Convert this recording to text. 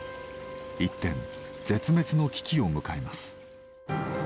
一転絶滅の危機を迎えます。